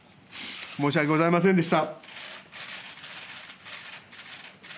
申し訳ございませんでした。